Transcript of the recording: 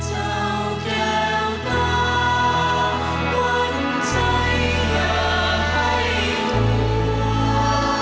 เจ้าแก้วตาบ้านใจอย่าให้หัว